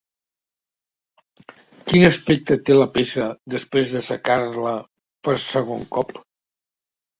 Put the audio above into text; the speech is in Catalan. Quin aspecte té la peça després d'assecar-la per segon cop?